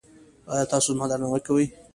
ایا تاسو زما درناوی کوئ؟